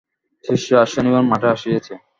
শিষ্য আজ শনিবার মঠে আসিয়াছে।